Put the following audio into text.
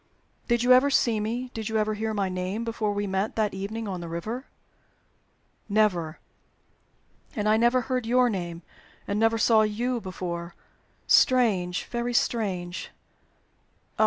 "Did you ever see me, did you ever hear my name, before we met that evening at the river?" "Never." "And I never heard your name, and never saw you before. Strange! very strange! Ah!